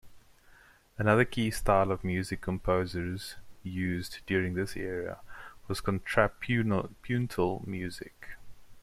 Another key style of music composers used during this era was contrapuntal music.